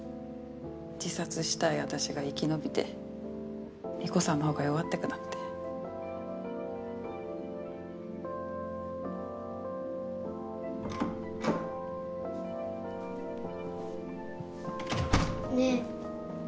自殺したい私が生き延びて理子さんの方が弱ってくなんて。ねえ。